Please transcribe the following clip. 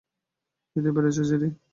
নিতে পেরেছ, জেরি?